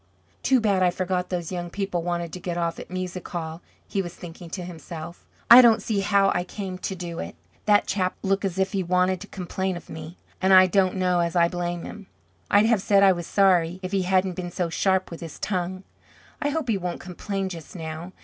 "Too bad I forgot those young people wanted to get off at Music Hall," he was thinking to himself. "I don't see how I came to do it. That chap looked as if he wanted to complain of me, and I don't know as I blame him. I'd have said I was sorry if he hadn't been so sharp with his tongue. I hope he won't complain just now.